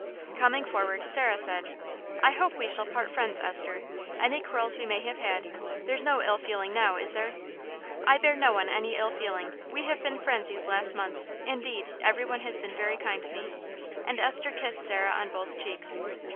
Coming forward, Sarah said "I hope we shall part friends, Esther; any quarrels we may have had There's no ill feeling now, is there?" "I bear no one any ill feeling. We have been friends these last months; indeed, everyone has been very kind to me." And Esther kissed Sarah on both cheeks.